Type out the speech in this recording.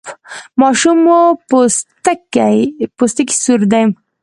ماشوم مو پوستکی سور دی؟